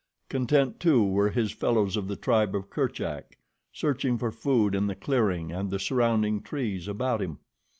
Content, too, were his fellows of the tribe of Kerchak, searching for food in the clearing and the surrounding trees about him.